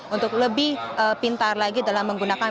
untuk lebih pintar lagi dalam menggunakan